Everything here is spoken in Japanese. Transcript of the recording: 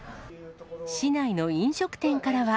市内の飲食店からは。